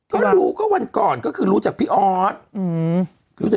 คือรู้วันก่อนคือรู้จากพี่อ๊อส